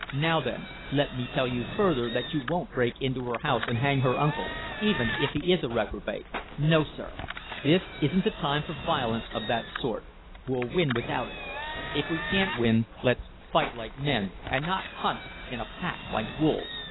Now, then, let me tell you, further, that you won't break into her house and hang her uncle, even if he is a reprobate. No, sir! This isn't the time for violence of that sort we'll win without it. If we can't, let's fight like men, and not hunt in a pack like wolves.